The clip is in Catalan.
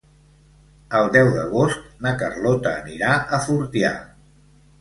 El deu d'agost na Carlota anirà a Fortià.